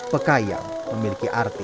pekayang memiliki arti